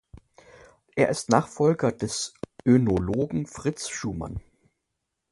Er ist Nachfolger des Önologen Fritz Schumann.